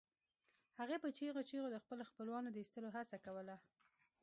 هغې په چیغو چیغو د خپلو خپلوانو د ایستلو هڅه کوله